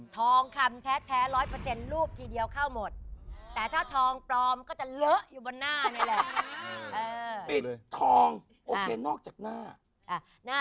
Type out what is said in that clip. ทองคำแท้๑๐๐รูปทีเดียวเข้าหมดแต่ถ้าทองคำจะละอยู่บนหน้านี่ทำเยี่ยมค่ะ